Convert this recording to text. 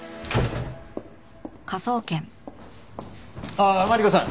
ああマリコさん。